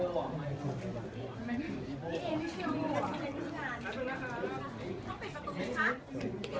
ขอบคุณครับ